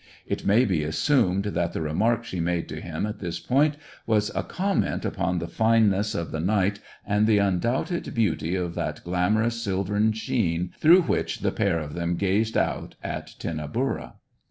It may be assumed that the remark she made to him at this point was a comment upon the fineness of the night and the undoubted beauty of that glamorous silvern sheen through which the pair of them gazed out at Tinnaburra.